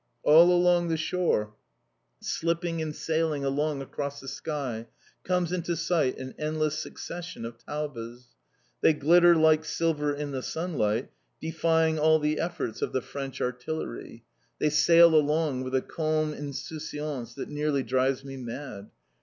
All along the shore, slipping and sailing along across the sky comes into sight an endless succession of Taubes. They glitter like silver in the sunlight, defying all the efforts of the French artillery; they sail along with a calm insouciance that nearly drives me mad.